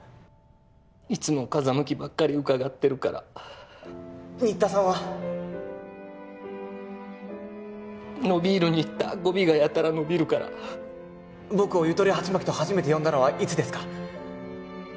いつも風向きばっかりうかがってるから新田さんは？のびーる新田語尾がやたら伸びるから僕を「ゆとりハチマキ」と初めて呼んだのはいつですか？